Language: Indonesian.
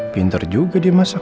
pinter juga dia masak